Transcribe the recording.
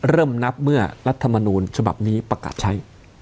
เริ่มนับเมื่อรัฐมนูลฉบับนี้ประกาศใช้